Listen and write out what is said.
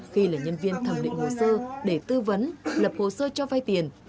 khi là nhân viên thẩm định hồ sơ để tư vấn lập hồ sơ cho vay tiền